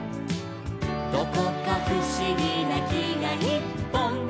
「どこかふしぎなきがいっぽん」